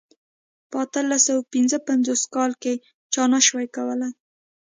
په اتلس سوه پنځه پنځوس کال کې چا نه شوای کولای.